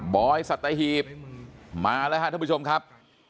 อยสัตหีบมาแล้วครับท่านผู้ชมครับ